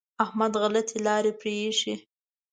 احمد غلطې لارې پرېښې.